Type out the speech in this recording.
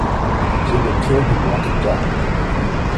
They will kill him like a dog.